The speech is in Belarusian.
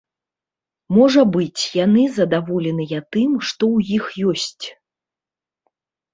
Можа быць, яны задаволеныя тым, што ў іх ёсць.